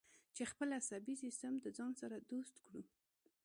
چې خپل عصبي سیستم د ځان دوست کړو.